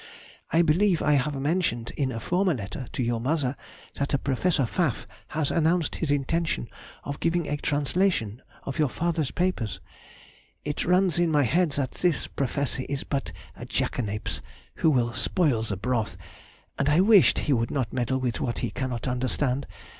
I believe I have mentioned in a former letter to your mother that a Professor Pfaff has announced his intention of giving a translation of your father's papers. It runs in my head that this professor is but a Jackanapes, who will spoil the broth, and I wished he would not meddle with what he cannot understand.